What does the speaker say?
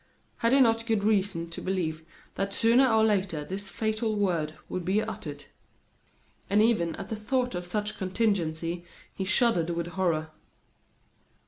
Had he not good reason to believe that sooner or later this fatal word would be uttered? And even at the thought of such a contingency he shuddered with horror.